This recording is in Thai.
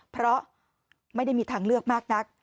เพราะไม่ได้มีทางเลือกมากนัก